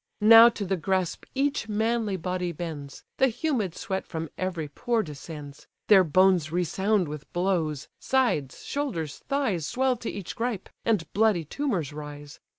Now to the grasp each manly body bends; The humid sweat from every pore descends; Their bones resound with blows: sides, shoulders, thighs Swell to each gripe, and bloody tumours rise.